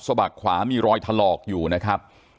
บักขวามีรอยถลอกอยู่นะครับ